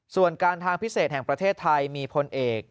ส่วนการทางพิเศษแห่งประเทศไทยมีพลเอก